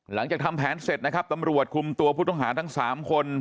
หลังจากทำแผนเสร็จนะครับตำรวจคุมตัวผู้ต้องหาทั้ง๓คน